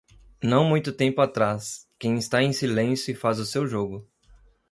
Não muito tempo atrás, quem está em silêncio e faz o seu jogo.